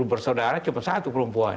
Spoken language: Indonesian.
nah sepuluh bersaudara cuma satu perempuan